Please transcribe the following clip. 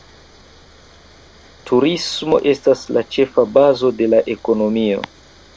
Turismo estas la ĉefa bazo de la ekonomio.